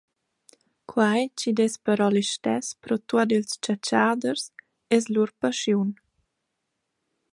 Quai chi’d es però listess pro tuot ils chatschaders, es lur paschiun.